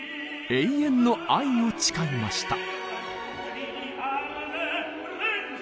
永遠の愛を誓いました。